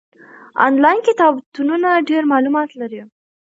آنلاین کتابتونونه ډېر معلومات لري.